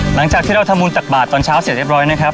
หลังจากที่เราทำบุญตักบาทตอนเช้าเสร็จเรียบร้อยนะครับ